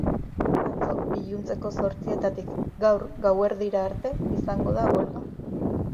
Atzo iluntzeko zortzietatik gaur gauerdira arte izango da huelga.